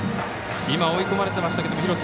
今、追い込まれてましたけど。